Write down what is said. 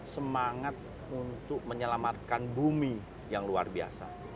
semangat untuk menyelamatkan bumi yang luar biasa